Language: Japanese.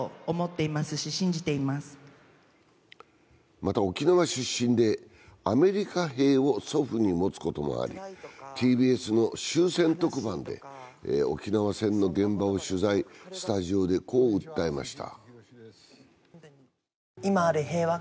また、沖縄出身でアメリカ兵を祖父に持つこともありＴＢＳの終戦特番で、沖縄戦の現場を取材、スタジオで、こう訴えました。